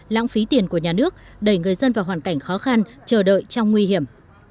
lãng phí tiền của nhà nước đẩy người dân vào hoàn cảnh khó khăn chờ đợi trong nguy hiểm